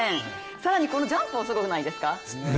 更にジャンプもすごくないですか？